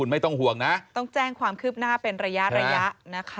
ไม่ต้องห่วงนะต้องแจ้งความคืบหน้าเป็นระยะระยะนะคะ